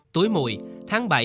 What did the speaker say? tuổi mùi tháng bảy